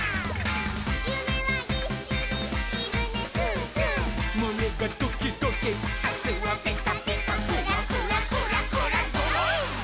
「ゆめはぎっしりひるねすーすー」「むねがドキドキ」「あすはピカピカ」「クラクラクラクラドロン！」